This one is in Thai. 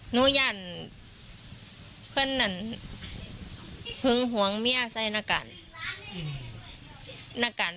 หนูย่านเพื่อนนั้นฮึงหวังแม่ใส่หน้ากัน